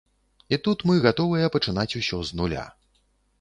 І тут мы гатовыя пачынаць усё з нуля.